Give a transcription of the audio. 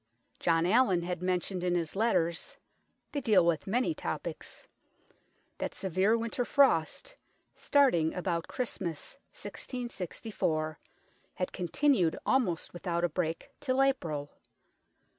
John Allin had mentioned in his letters they deal with many topics that severe winter frost, starting about Christmas, 1664, had continued almost without a break till April.